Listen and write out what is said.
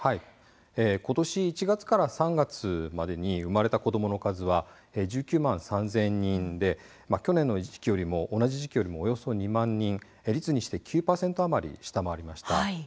ことし１月から３月までに生まれた子どもの数は１９万３０００人で去年の同じ時期よりもおよそ２万人率にして９％余り下回りました。